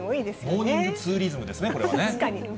モーニングツーリズムですね、確かに。